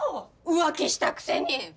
浮気したくせに！